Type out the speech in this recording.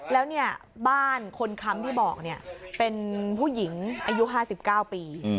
แล้วบ้านคนค้ำที่บอกเนี่ยเป็นผู้หญิงอายุ๕๙ปี